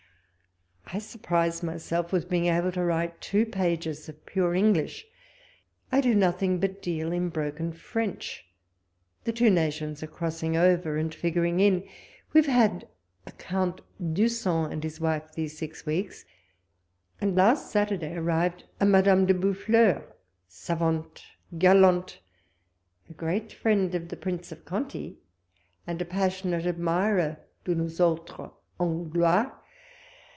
I surprise myselt with being able to write two pages of pure English ; I do nothing but deal in broken French. The two nations are crossing over and figuring in. We have had a Count d'Usson and his wife these six weeks ; and last Saturday arrived a Madame de Boufflers ; sQaianfc, (/ulanti', a great friend of the Prince of C'onti, and a passionate admirer de nous autns Arvjluis.